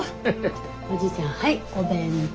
おじいちゃんはいお弁当。